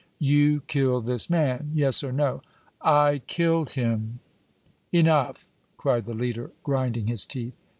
"You killed this man? Yes or no!" "I killed him!" "Enough!" cried the leader, grinding his teeth.